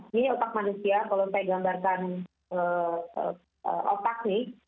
ini otak manusia kalau saya gambarkan otak nih